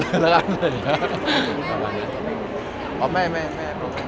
ไม่ได้ทำแล้วแต่ก็ไม่ค่อยได้ทำ